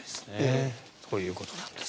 ということなんです。